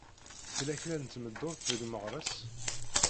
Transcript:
Tella kra n tmeddurt deg Meɣres?